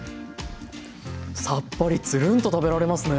さっぱりつるんと食べられますね。